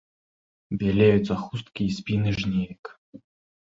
Бялеюцца хусткі і спіны жнеек.